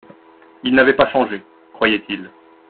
Il n'avait pas changé, croyait-il.